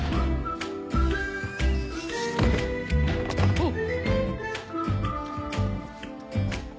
あっ！